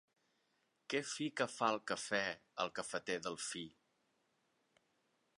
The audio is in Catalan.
Que fi que fa el cafè el cafeter Delfí.